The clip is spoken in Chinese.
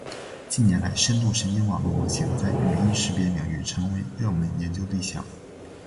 近年来，深度神经网络模型在语音识别领域成为热门研究对象。